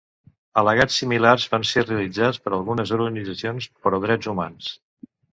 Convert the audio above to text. Al·legats similars van ser realitzats per algunes organitzacions pro drets humans.